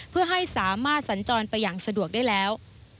เพื่อให้สามารถสัญจรไปอย่างสะดวกได้แล้ว